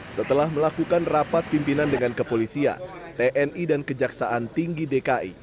setelah melakukan rapat pimpinan dengan kepolisian tni dan kejaksaan tinggi dki